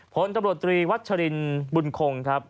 ผลตำรวจตรีวัชรินบุญคงครับ